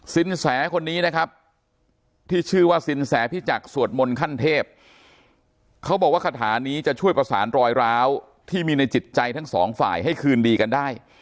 สินแสคนนี้นะครับที่ชื่อว่าสินแสพิจักรสวดมนต์ขั้นเทพเขาบอกว่าคาถานี้จะช่วยประสานรอยร้าวที่มีในจิตใจทั้งสองฝ่ายให้คืนดีกันได้